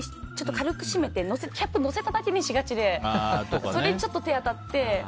軽く締めてキャップを載せただけにしがちでそれに手が当たって。